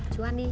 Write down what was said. chú ăn đi